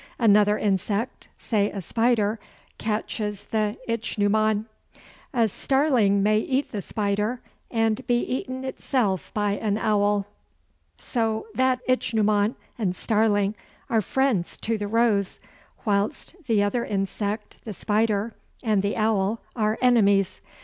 Another insect, say a spider, catches the ichneumon. A starling may eat the spider, and be itself eaten by an owl. So that ichneumon and starling are friends to the Rose, whilst the other insect, the spider, and the owl are enemies.